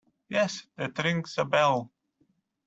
Yes, that rings a bell.